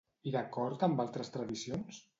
I d'acord amb altres tradicions?